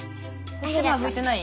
こっちまだ拭いてない？